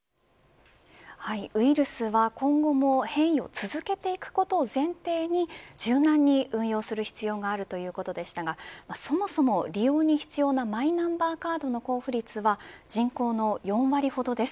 ウイルスは今後も変異を続けていくことを前提に柔軟に運用する必要があるということでしたがそもそも、利用に必要なマイナンバーカードの交付率は人口の４割ほどです。